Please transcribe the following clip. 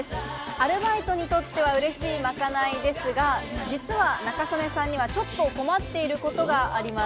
アルバイトにとっては嬉しいまかないですが、実は中曽根さんにはちょっと困っていることがあります。